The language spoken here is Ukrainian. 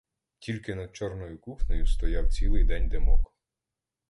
Тільки над чорною кухнею стояв цілий день димок.